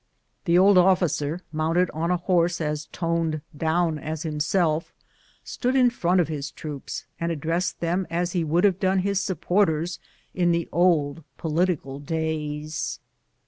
The old officer, mounted on a horse as toned down as himself, stood in front of his troops and ad dressed them as he would have done his supporters in the old political days.